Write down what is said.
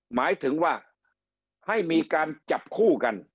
หมายถึงว่าให้มีการจับคู่กัน